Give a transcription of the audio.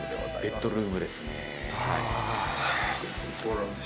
ベッドルームですね。